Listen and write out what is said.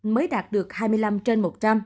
mới đạt được hai mươi năm trên một trăm linh